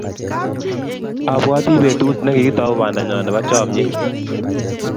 Abwati petut ne kikitau pandanyon nepo chomyet.